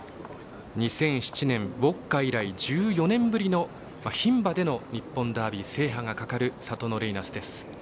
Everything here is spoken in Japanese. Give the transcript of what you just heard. ２００７年、ウオッカ以来１４年ぶりの牝馬での日本ダービーの制覇がかかるサトノレイナスです。